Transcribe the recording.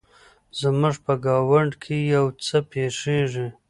زموږ په ګاونډ کې يو څه پیښیږي